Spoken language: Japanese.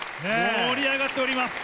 盛り上がっております。